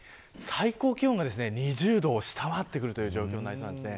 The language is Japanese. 最高気温が２０度を下回ってくるという状況になりそうです。